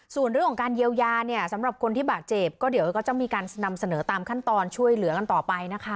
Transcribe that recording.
ส่วนเรื่องของการเยียวยาเนี่ยสำหรับคนที่บาดเจ็บก็เดี๋ยวก็จะมีการนำเสนอตามขั้นตอนช่วยเหลือกันต่อไปนะคะ